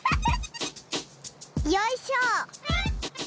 よいしょ！